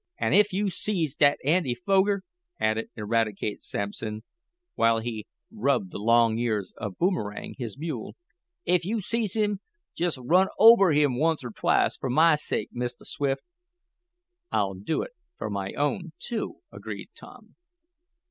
"An' ef yo' sees dat Andy Foger," added Eradicate Sampson, while he rubbed the long ears of Boomerang, his mule, "ef yo' sees him, jest run ober him once or twice fer mah sake, Mistah Swift." "I'll do it for my own, too," agreed Tom.